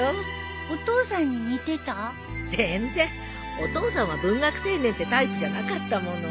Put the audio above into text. お父さんは文学青年ってタイプじゃなかったもの。